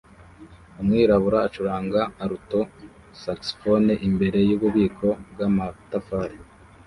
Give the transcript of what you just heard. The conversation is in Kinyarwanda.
Umwirabura acuranga alto saxophone imbere yububiko bwamatafari